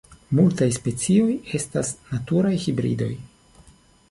Multaj specioj estas naturaj hibridoj.